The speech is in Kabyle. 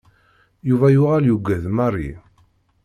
Yuba yuɣal yugad Mary.